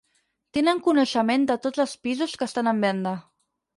Tenen coneixement de tots els pisos que estan en venda.